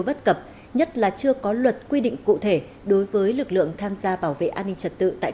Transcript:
bất cập nhất là chưa có luật quy định cụ thể đối với lực lượng tham gia bảo vệ an ninh trật tự tại